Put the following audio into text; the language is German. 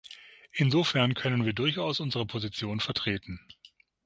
Insofern können wir durchaus unsere Position vertreten.